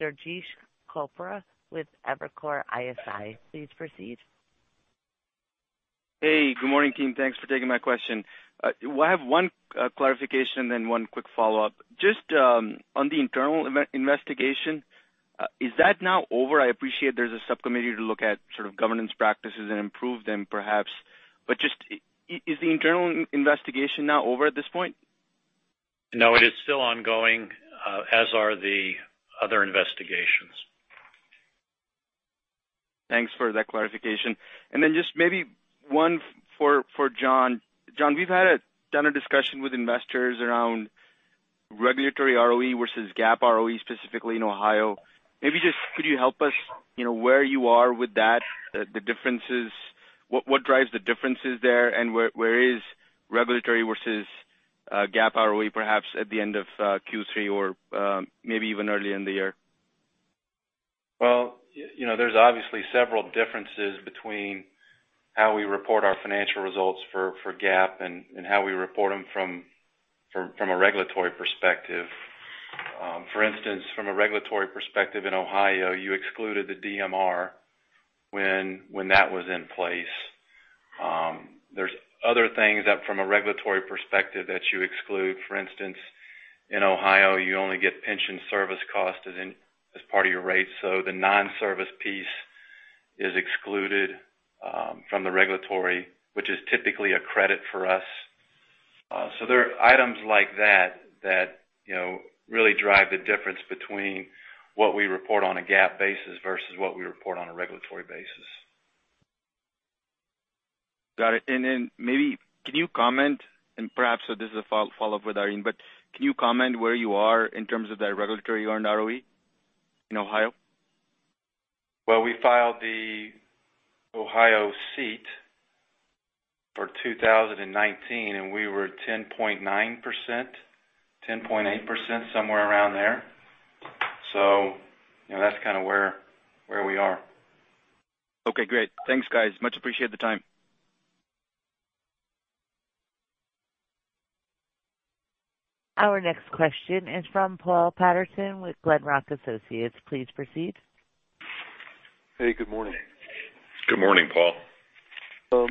Speaker 1: Durgesh Chopra with Evercore ISI. Please proceed.
Speaker 14: Hey, good morning, team. Thanks for taking my question. I have one clarification then one quick follow-up. Just on the internal investigation, is that now over? I appreciate there's a subcommittee to look at sort of governance practices and improve them, perhaps. Just, is the internal investigation now over at this point?
Speaker 3: No, it is still ongoing, as are the other investigations.
Speaker 14: Thanks for that clarification. Just maybe one for Jon. Jon, we've done a discussion with investors around regulatory ROE versus GAAP ROE, specifically in Ohio. Maybe just could you help us, where you are with that, the differences, what drives the differences there, and where is regulatory versus GAAP ROE perhaps at the end of Q3 or maybe even early in the year?
Speaker 5: There's obviously several differences between how we report our financial results for GAAP and how we report them from a regulatory perspective. For instance, from a regulatory perspective in Ohio, you excluded the DMR when that was in place. There's other things that from a regulatory perspective that you exclude. For instance, in Ohio you only get pension service cost as part of your rate. The non-service piece is excluded from the regulatory, which is typically a credit for us. There are items like that really drive the difference between what we report on a GAAP basis versus what we report on a regulatory basis.
Speaker 14: Got it. Maybe can you comment, and perhaps this is a follow-up with Irene, but can you comment where you are in terms of that regulatory earned ROE in Ohio?
Speaker 5: Well, we filed the Ohio SEET for 2019, and we were at 10.9%, 10.8%, somewhere around there. That's kind of where we are.
Speaker 14: Okay, great. Thanks, guys. Much appreciate the time.
Speaker 1: Our next question is from Paul Patterson with Glenrock Associates. Please proceed.
Speaker 15: Hey, good morning.
Speaker 4: Good morning, Paul.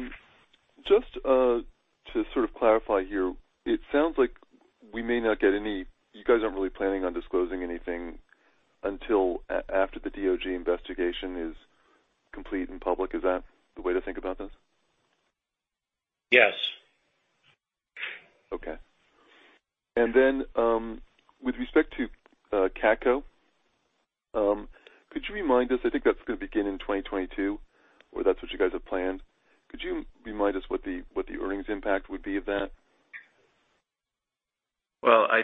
Speaker 15: Just to sort of clarify here, it sounds like you guys aren't really planning on disclosing anything until after the DOJ investigation is complete and public. Is that the way to think about this?
Speaker 4: Yes.
Speaker 15: Okay. With respect to KATCo, could you remind us, I think that's going to begin in 2022 or that's what you guys have planned. Could you remind us what the earnings impact would be of that?
Speaker 5: I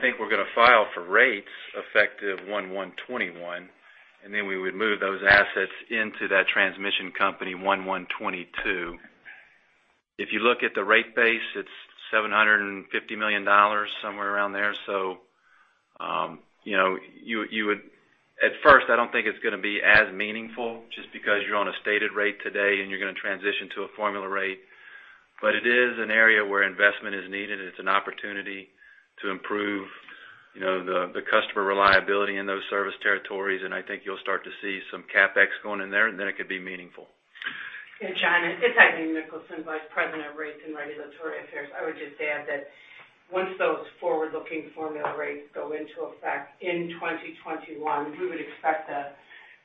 Speaker 5: think we're going to file for rates effective 1/1 and 2021, and then we would move those assets into that transmission company 1/1 2022. If you look at the rate base, it's $750 million, somewhere around there. At first, I don't think it's going to be as meaningful just because you're on a stated rate today and you're going to transition to a formula rate. It is an area where investment is needed, and it's an opportunity to improve the customer reliability in those service territories. I think you'll start to see some CapEx going in there, and then it could be meaningful.
Speaker 13: Hey, Jon, it's Eileen Mikkelsen, Vice President of Rates and Regulatory Affairs. I would just add that once those forward-looking formula rates go into effect in 2021, we would expect the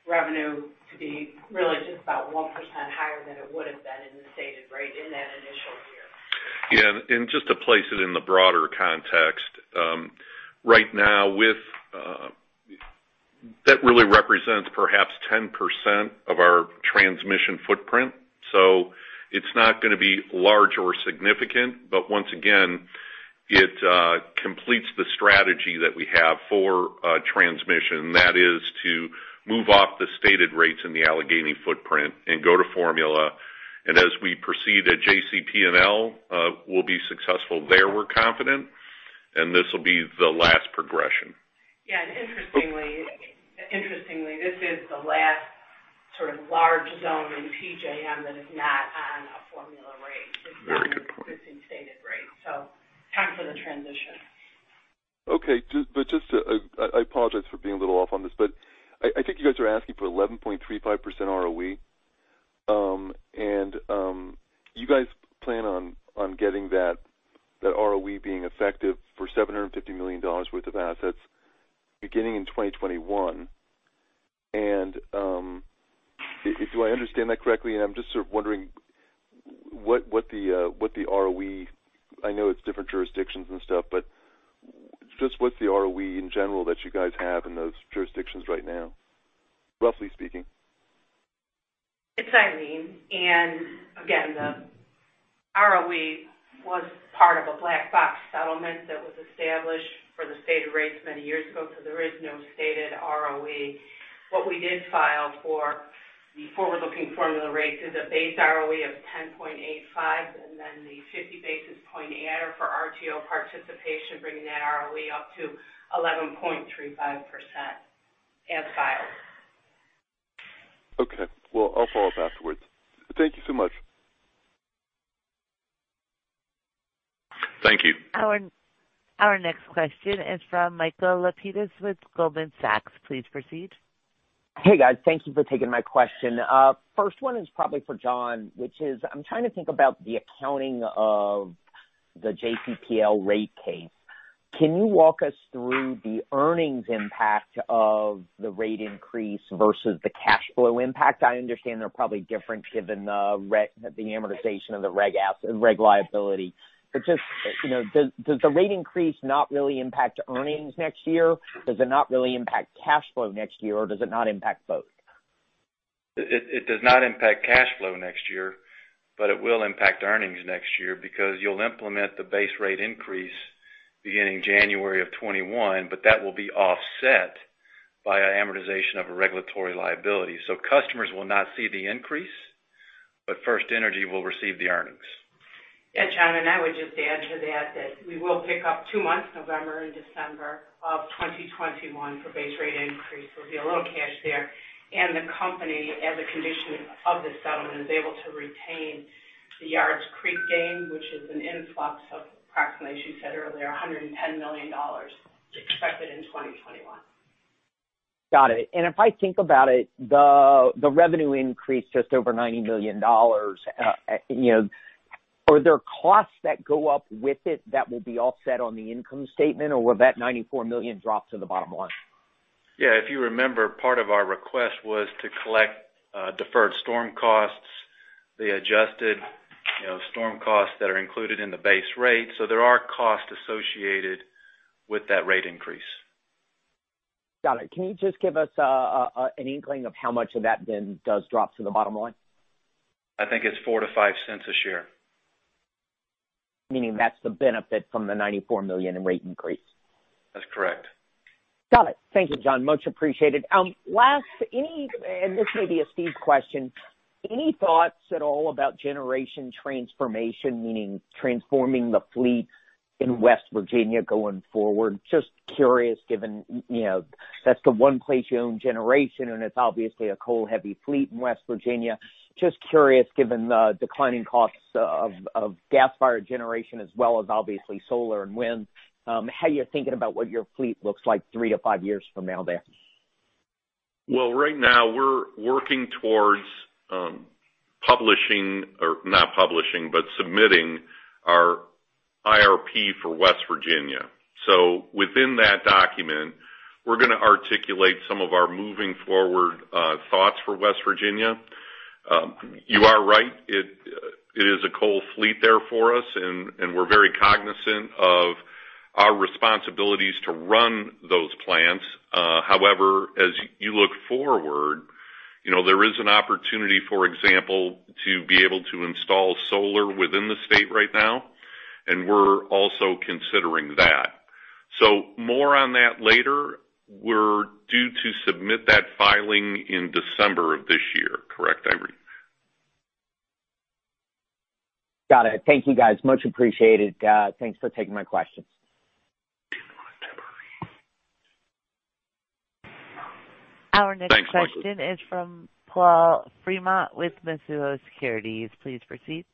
Speaker 13: revenue to be really just about 1% higher than it would have been in the stated rate in that initial year.
Speaker 4: Yeah. Just to place it in the broader context, right now that really represents perhaps 10% of our transmission footprint. It's not going to be large or significant, but once again, it completes the strategy that we have for transmission, and that is to move off the stated rates in the Allegheny footprint and go to formula. As we proceed at JCP&L, we'll be successful there, we're confident, and this will be the last progression.
Speaker 13: Yeah. Interestingly, this is the last sort of large zone in PJM that is not on a formula rate.
Speaker 4: Very good.
Speaker 13: It's in stated rates, so time for the transition.
Speaker 15: Okay. I apologize for being a little off on this, but I think you guys are asking for 11.35% ROE. You guys plan on getting that ROE being effective for $750 million worth of assets beginning in 2021. Do I understand that correctly? I'm just sort of wondering what the ROE, I know it's different jurisdictions and stuff, but just what's the ROE in general that you guys have in those jurisdictions right now, roughly speaking?
Speaker 13: It's Eileen. The ROE was part of a black box settlement that was established for the stated rates many years ago. There is no stated ROE. What we did file for the forward-looking formula rates is a base ROE of 10.85 and then the 50 basis point add for RTO participation, bringing that ROE up to 11.35% as filed.
Speaker 15: Okay. Well, I'll follow up afterwards. Thank you so much.
Speaker 4: Thank you.
Speaker 1: Our next question is from Michael Lapides with Goldman Sachs. Please proceed.
Speaker 16: Hey, guys. Thank you for taking my question. First one is probably for Jon, which is I'm trying to think about the accounting of the JCP&L rate case. Can you walk us through the earnings impact of the rate increase versus the cash flow impact? I understand they're probably different given the amortization of the reg liability. Just does the rate increase not really impact earnings next year? Does it not really impact cash flow next year? Does it not impact both?
Speaker 5: It does not impact cash flow next year, but it will impact earnings next year because you'll implement the base rate increase beginning January of 2021, but that will be offset by an amortization of a regulatory liability. Customers will not see the increase. FirstEnergy will receive the earnings.
Speaker 13: Yeah, Jon, I would just add to that we will pick up two months, November and December of 2021 for base rate increase. There'll be a little cash there. The company, as a condition of the settlement, is able to retain the Yards Creek gain, which is an influx of approximately, as you said earlier, $110 million expected in 2021.
Speaker 16: Got it. If I think about it, the revenue increase just over $90 million. Are there costs that go up with it that will be offset on the income statement, or will that $94 million drop to the bottom line?
Speaker 5: If you remember, part of our request was to collect deferred storm costs, the adjusted storm costs that are included in the base rate. There are costs associated with that rate increase.
Speaker 16: Got it. Can you just give us an inkling of how much of that then does drop to the bottom line?
Speaker 5: I think it's $0.04-$0.05 a share.
Speaker 16: Meaning that's the benefit from the $94 million in rate increase?
Speaker 5: That's correct.
Speaker 16: Got it. Thank you, Jon. Much appreciated. Last, this may be a Steve question, any thoughts at all about generation transformation, meaning transforming the fleet in West Virginia going forward? Just curious, given that's the one place you own generation, and it's obviously a coal-heavy fleet in West Virginia. Just curious, given the declining costs of gas-fired generation as well as obviously solar and wind, how you're thinking about what your fleet looks like three to five years from now there.
Speaker 4: Well, right now, we're working towards publishing, or not publishing, but submitting our IRP for West Virginia. Within that document, we're going to articulate some of our moving forward thoughts for West Virginia. You are right. It is a coal fleet there for us, and we're very cognizant of our responsibilities to run those plants. However, as you look forward, there is an opportunity, for example, to be able to install solar within the state right now, and we're also considering that. More on that later. We're due to submit that filing in December of this year, correct, Irene?
Speaker 16: Got it. Thank you, guys. Much appreciated. Thanks for taking my questions.
Speaker 1: Our next question is from Paul Fremont with Mizuho Securities. Please proceed.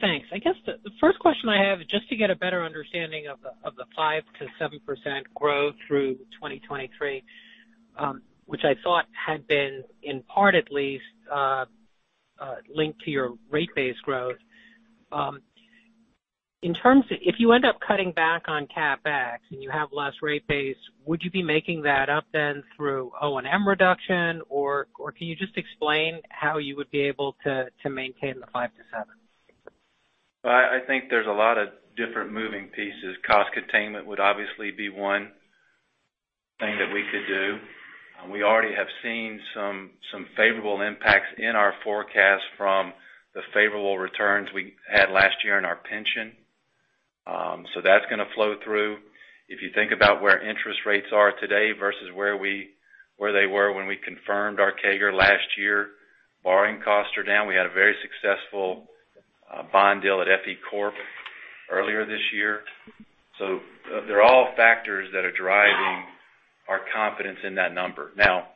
Speaker 17: Thanks. I guess the first question I have, just to get a better understanding of the 5%-7% growth through 2023, which I thought had been in part at least linked to your rate base growth. If you end up cutting back on CapEx and you have less rate base, would you be making that up then through O&M reduction? Can you just explain how you would be able to maintain the 5%-7%?
Speaker 5: I think there's a lot of different moving pieces. Cost containment would obviously be one thing that we could do. We already have seen some favorable impacts in our forecast from the favorable returns we had last year in our pension. That's going to flow through. If you think about where interest rates are today versus where they were when we confirmed our CAGR last year, borrowing costs are down. We had a very successful bond deal at FirstEnergy Corp. earlier this year. They're all factors that are driving our confidence in that number. Now,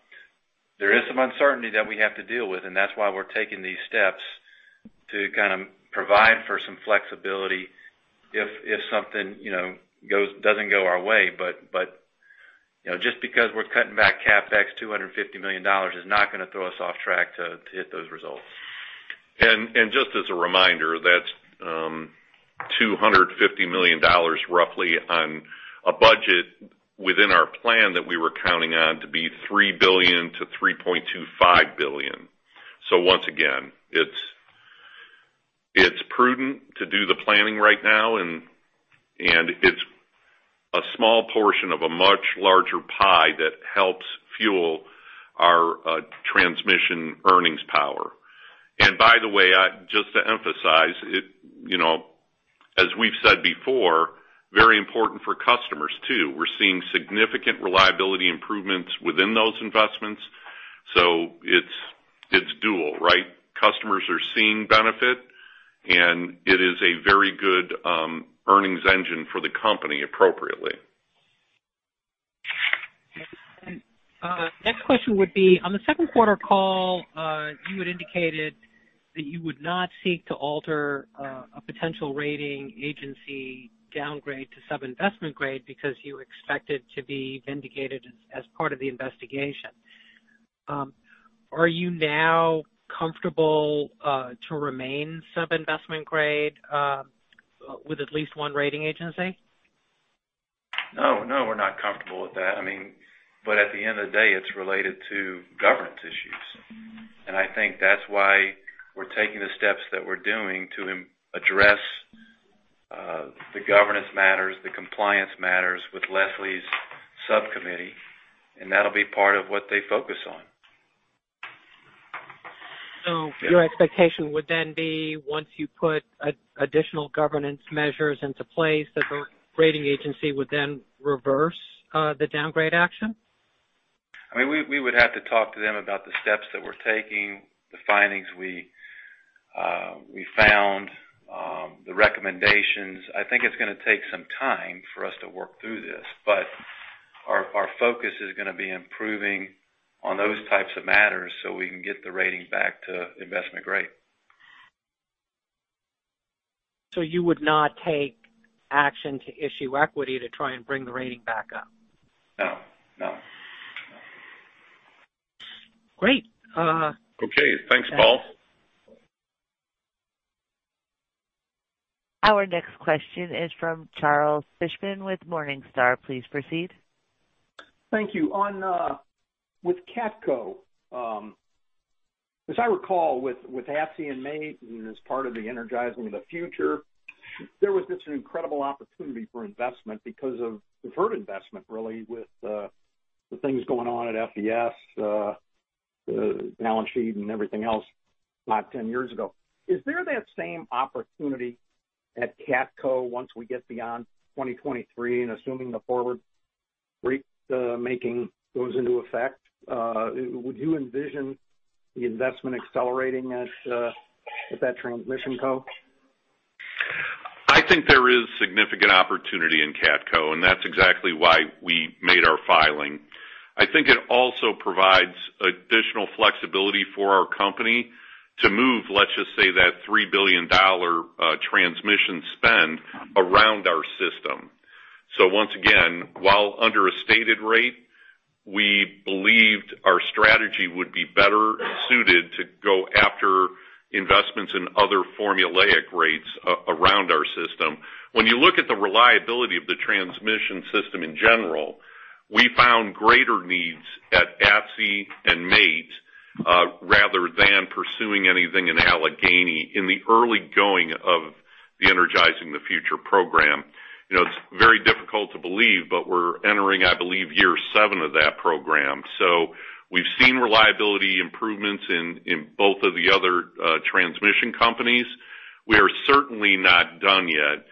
Speaker 5: there is some uncertainty that we have to deal with, and that's why we're taking these steps to kind of provide for some flexibility if something doesn't go our way. Just because we're cutting back CapEx, $250 million is not going to throw us off track to hit those results.
Speaker 4: Just as a reminder, that's $250 million roughly on a budget within our plan that we were counting on to be $3 billion-$3.25 billion. Once again, it's prudent to do the planning right now, and it's a small portion of a much larger pie that helps fuel our transmission earnings power. By the way, just to emphasize, as we've said before, very important for customers, too. We're seeing significant reliability improvements within those investments. It's dual, right? Customers are seeing benefit, and it is a very good earnings engine for the company appropriately.
Speaker 17: Next question would be, on the second quarter call, you had indicated that you would not seek to alter a potential rating agency downgrade to sub-investment grade because you expected to be vindicated as part of the investigation. Are you now comfortable to remain sub-investment grade with at least one rating agency?
Speaker 3: No, we're not comfortable with that. At the end of the day, it's related to governance issues. I think that's why we're taking the steps that we're doing to address the governance matters, the compliance matters with Leslie's subcommittee, and that'll be part of what they focus on.
Speaker 17: Your expectation would then be once you put additional governance measures into place, that the rating agency would then reverse the downgrade action?
Speaker 3: We would have to talk to them about the steps that we're taking, the findings we found, the recommendations. I think it's going to take some time for us to work through this, but our focus is going to be improving on those types of matters so we can get the rating back to investment grade.
Speaker 17: You would not take action to issue equity to try and bring the rating back up?
Speaker 3: No.
Speaker 17: Great.
Speaker 4: Okay. Thanks, Paul.
Speaker 1: Our next question is from Charles Fishman with Morningstar. Please proceed.
Speaker 18: Thank you. With KATCo, as I recall with ATSI and MAIT, and as part of the Energizing the Future, there was just an incredible opportunity for investment because of deferred investment, really with the things going on at FES, the balance sheet and everything else about 10 years ago. Is there that same opportunity at KATCo once we get beyond 2023 and assuming the forward rate making goes into effect? Would you envision the investment accelerating at that transmission co?
Speaker 4: I think there is significant opportunity in KATCo. That's exactly why we made our filing. I think it also provides additional flexibility for our company to move, let's just say that $3 billion transmission spend around our system. Once again, while under a stated rate, we believed our strategy would be better suited to go after investments in other formulaic rates around our system. When you look at the reliability of the transmission system in general, we found greater needs at ATSI and MAIT, rather than pursuing anything in Allegheny in the early going of the Energizing the Future program. It's very difficult to believe, we're entering, I believe, year seven of that program. We've seen reliability improvements in both of the other transmission companies. We are certainly not done yet.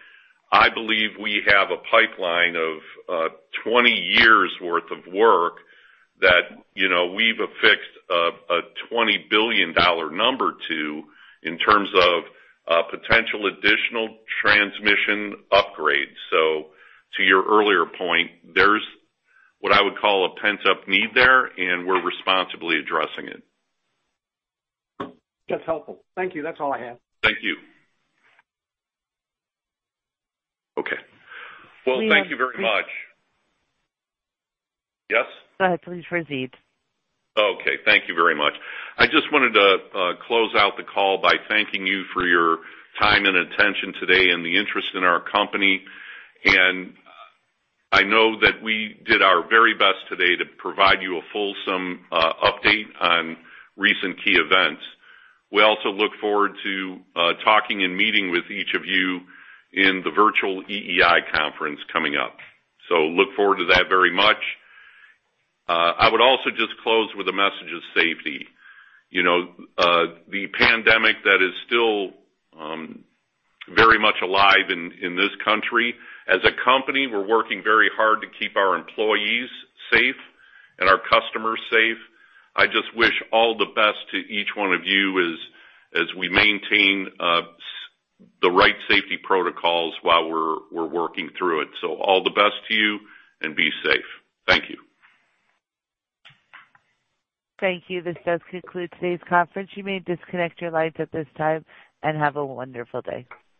Speaker 4: I believe we have a pipeline of 20 years worth of work that we've affixed a $20 billion number to in terms of potential additional transmission upgrades. To your earlier point, there's what I would call a pent-up need there, and we're responsibly addressing it.
Speaker 18: That's helpful. Thank you. That's all I have.
Speaker 4: Thank you. Okay. Well, thank you very much. Yes?
Speaker 1: Go ahead, please proceed.
Speaker 4: Thank you very much. I just wanted to close out the call by thanking you for your time and attention today and the interest in our company. I know that we did our very best today to provide you a fulsome update on recent key events. We also look forward to talking and meeting with each of you in the virtual EEI conference coming up. Look forward to that very much. I would also just close with a message of safety. The pandemic that is still very much alive in this country. As a company, we're working very hard to keep our employees safe and our customers safe. I just wish all the best to each one of you as we maintain the right safety protocols while we're working through it. All the best to you and be safe. Thank you.
Speaker 1: Thank you. This does conclude today's conference. You may disconnect your lines at this time, and have a wonderful day.